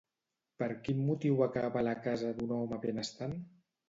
Per quin motiu acaba a la casa d'un home benestant?